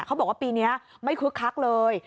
เขาบอกว่าปีนี้ไม่คึกคักเลย